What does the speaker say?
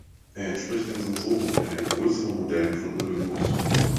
Er entspricht den Sensoren in den größeren Modellen von Olympus.